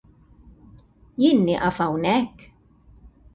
Jien nieqaf hawnhekk?